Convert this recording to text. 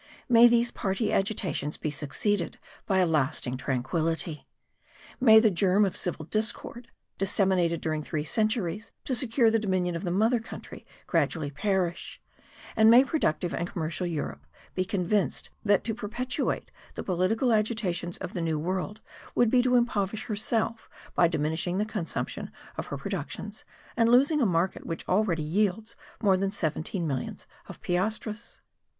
May these party agitations be succeeded by a lasting tranquillity! May the germ of civil discord, disseminated during three centuries to secure the dominion of the mother country, gradually perish; and may productive and commercial Europe be convinced that to perpetuate the political agitations of the New World would be to impoverish herself by diminishing the consumption of her productions and losing a market which already yields more than seventy millions of piastres.